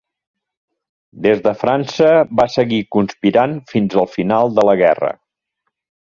Des de França va seguir conspirant fins al final de la guerra.